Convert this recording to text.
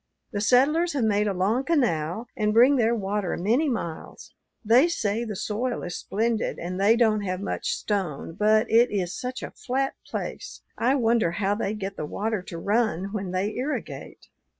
The settlers have made a long canal and bring their water many miles. They say the soil is splendid, and they don't have much stone; but it is such a flat place! I wonder how they get the water to run when they irrigate.